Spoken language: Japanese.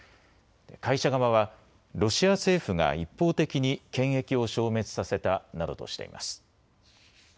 会社側はロシア政府が一方的に権益を消滅させたなどとしています。